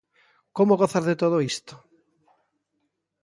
Como gozar de todo isto?